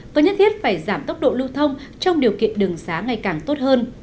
và nhất thiết phải giảm tốc độ lưu thông trong điều kiện đường xá ngày càng tốt hơn